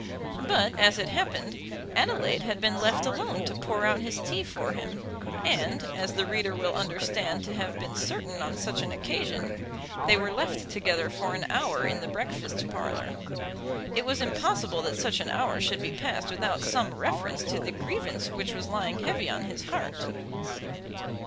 But, as it happened, Adelaide had been left alone to pour out his tea for him, and, as the reader will understand to have been certain on such an occasion, they were left together for an hour in the breakfast parlour. It was impossible that such an hour should be passed without some reference to the grievance which was lying heavy on his heart.